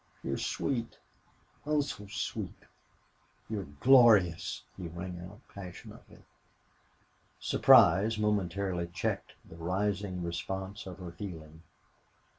You're sweet oh, so sweet! You're glorious!" he rang out, passionately. Surprise momentarily checked the rising response of her feeling.